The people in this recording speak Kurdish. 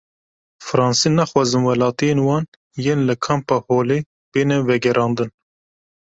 Fransî naxwazin welatiyên wan yên li Kampa Holê bêne vegerandin.